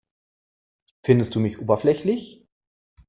Findest du mich oberflächlich?